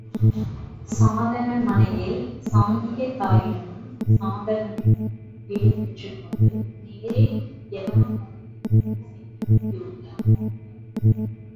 சாதகன் மனையில் சாங்கியத் தாயிடமும் சாதகனிடமும் விடை பெற்றுக்கொண்டு நேரே யவனப்பாடியை நோக்கிச் சென்றான் யூகி.